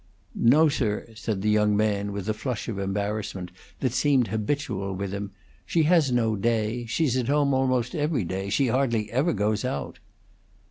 "No, sir," said the young man, with a flush of embarrassment that seemed habitual with him. "She has no day. She's at home almost every day. She hardly ever goes out."